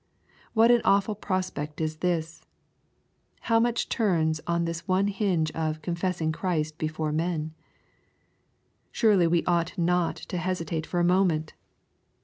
What an awful prospect is this 1 How much turns on this one hinge of " confessing Christ before men 1" Surely we ought not to hesitate for a moment.